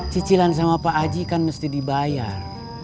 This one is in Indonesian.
cicilan sama pak haji kan mesti dibayar